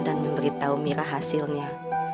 dan memberitahu mira hasilnya